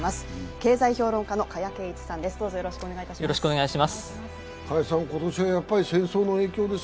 経済評論家の加谷珪一さんです。